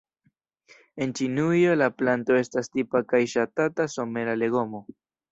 En Ĉinujo la planto estas tipa kaj ŝatata somera legomo.